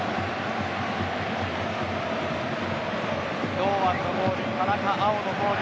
堂安のゴール、田中碧のゴール